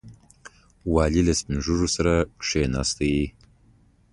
والي له سپین ږیرو سره کښېناست.